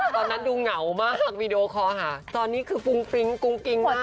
ตอนนั้นดูเหงามากวีดีโอคอลหาตอนนี้คือฟุ้งฟริ้งกุ้งกิ๊งมาก